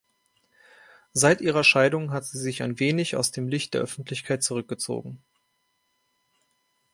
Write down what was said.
Seit ihrer Scheidung hat sie sich ein wenig aus dem Licht der Öffentlichkeit zurückgezogen.